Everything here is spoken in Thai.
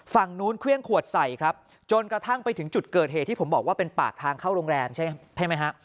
ฝั่งนู้นเครื่องขวดใส่ครับจนกระทั่งไปถึงจุดเกิดเหตุที่ผมบอกว่าเป็นปากทางเข้าโรงแรมใช่ไหมฮะ